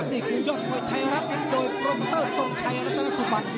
นี่ครับนี่คือยกโดยไทยรัฐอันโดยโปรปุเตอร์ส่งชายรัฐสนสุพันธ์